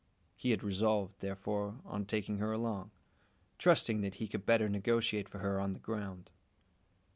He had resolved, therefore, on taking her along, trusting that he could better negotiate for her on the ground.